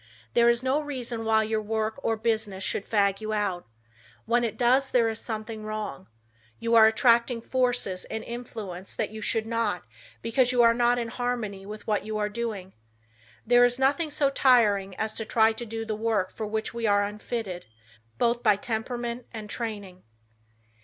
There is no reason why your work or business should fag you out. When it does there is something wrong. You are attracting forces and influence that you should not, because you are not in harmony with what you are doing. There is nothing so tiring as to try to do the work for which we are unfitted, both by temperament and training.